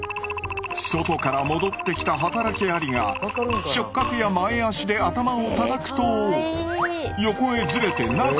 外から戻ってきた働きアリが触角や前足で頭をたたくと横へずれて中へ入れてくれる。